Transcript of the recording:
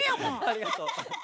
ありがとう。